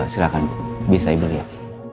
silahkan bisa ibu liat